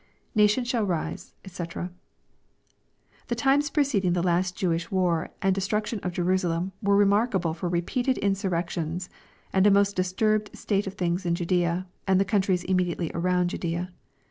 [Nation shall rise^ dx.] The times preceding the last Jewish war and destruction of Jerusalem were remarkable for repeated insurrections, and a most disturbed state of things in Judaea, and the countries immediately around Judaea.